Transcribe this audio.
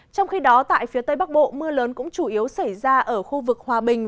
trong khi đó tại phía tây bắc bộ mưa lớn cũng chủ yếu xảy ra ở khu vực hòa bình